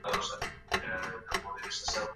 حقیقي عاید د اقتصاد اصلي پیاوړتیا ښیي.